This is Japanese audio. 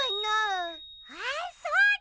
あっそうだ！